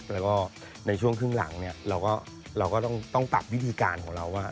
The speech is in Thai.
แล้วก็ในช่วงขึ้นหลังเราก็ต้องปรับวิธีการของเรา